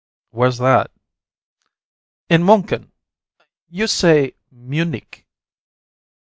"Where's that?" "In Munchen. You say 'Munich.'"